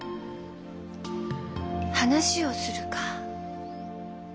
「話をする」か。